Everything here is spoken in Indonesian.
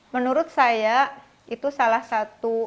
menurut saya itu salah satu